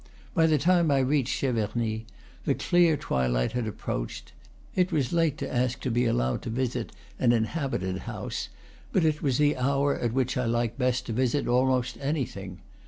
By the time I reached Cheverny, the clear twilight had approached. It was late to ask to be allowed to visit an inhabited house; but it was the hour at which I like best to visit almost anything.